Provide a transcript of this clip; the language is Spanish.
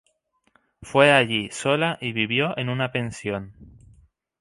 Fue allí sola y vivió en una pensión.